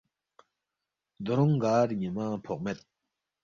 دورونگ گار نیمہ فوقمید۔